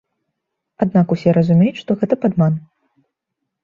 Аднак усе разумеюць, што гэта падман.